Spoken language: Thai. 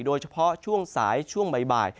โดยเฉพาะช่วงสายช่วงบ่าย